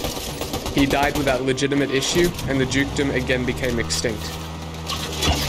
He died without legitimate issue, and the dukedom again became extinct.